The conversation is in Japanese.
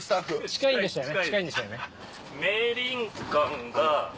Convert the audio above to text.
近いんでしたよね？